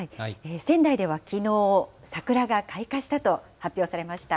仙台ではきのう、桜が開花したと発表されました。